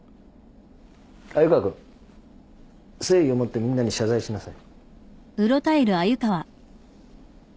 鮎川君誠意をもってみんなに謝罪しなさい。